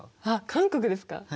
あっ韓国ですか。